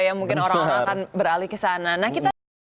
dan juga ya mungkin orang orang akan beralih ke sana